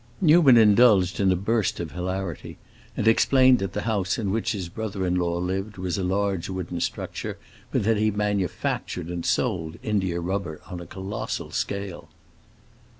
Newman indulged in a burst of hilarity, and explained that the house in which his brother in law lived was a large wooden structure, but that he manufactured and sold india rubber on a colossal scale.